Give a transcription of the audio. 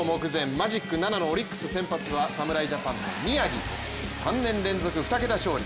マジック７のオリックス、先発は侍ジャパンの宮城、３年連続の２桁勝利。